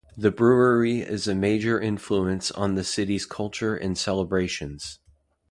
The brewery is a major influence on the city's culture and celebrations.